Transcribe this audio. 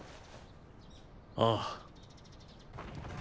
ああ。